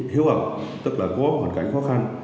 hiếu học tức là có hoàn cảnh khó khăn